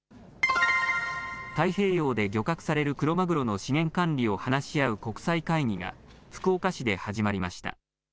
太平洋で漁獲されるクロマグロの資源管理を話し合う国際会議が福岡市で始まりました。